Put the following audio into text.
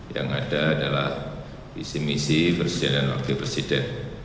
yang ada adalah visi misi presiden dan wakil presiden